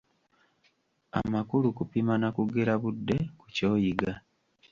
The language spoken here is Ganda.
Amakulu kupima na kugera budde ku ky'oyiga.